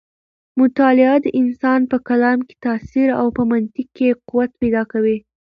مطالعه د انسان په کلام کې تاثیر او په منطق کې قوت پیدا کوي.